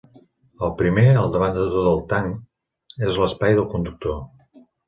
El primer, al davant de tot del tanc, és l'espai del conductor.